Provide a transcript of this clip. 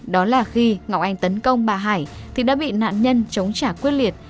đó là khi ngọc anh tấn công bà hải thì đã bị nạn nhân chống trả quyết liệt